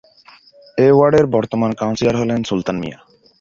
এ ওয়ার্ডের বর্তমান কাউন্সিলর হলেন সুলতান মিয়া।